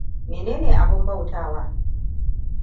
Mene ne abin bautawa?